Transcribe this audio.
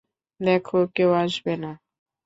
দেখো, কেউ আসবে না।